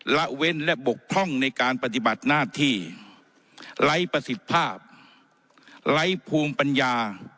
ละเว้นและบกพร่องในการปฏิบัติหน้าที่ไร้ประสิทธิภาพไร้ภูมิปัญญา